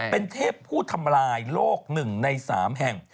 เป็นเทพผู้ทำลายโลกหนึ่งในสามแห่ง